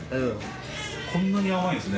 こんなに甘いんですね。